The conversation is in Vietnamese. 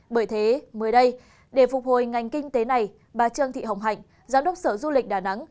bởi thế mới đây để phục hồi ngành kinh tế này bà trương thị hồng hạnh giám đốc sở du lịch đà nẵng